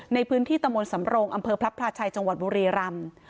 ในพื้นที่ตะมนต์สำรงอำเภอพระพลาชัยจังหวัดบุรีรำ